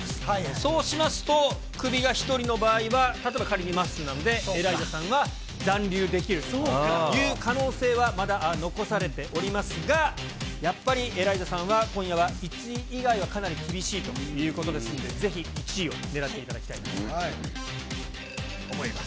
そうしますと、クビが１人の場合は、例えば仮にまっすーなので、エライザさんは残留できるという可能性はまだ残されておりますが、やっぱりエライザさんは、今夜は１位以外はかなり厳しいということですので、ぜひ１位を狙っていただきたいと思います。